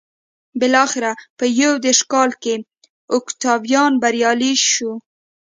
بلاخره په یو دېرش کال کې اوکتاویان بریالی شو